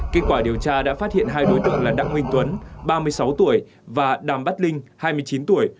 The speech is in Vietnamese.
kết quả điều tra đã phát hiện hai đối tượng là đặng minh tuấn ba mươi sáu tuổi và đàm bát linh hai mươi chín tuổi